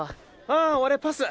あ俺パス。